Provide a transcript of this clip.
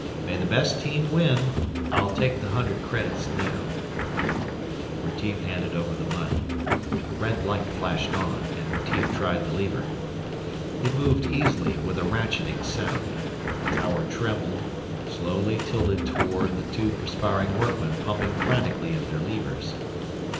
May the best team win. I'll take the hundred credits now." Retief handed over the money. A red light flashed on, and Retief tried the lever. It moved easily, with a ratcheting sound. The tower trembled, slowly tilted toward the two perspiring workmen pumping frantically at their levers.